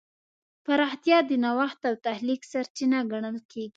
پراختیا د نوښت او تخلیق سرچینه ګڼل کېږي.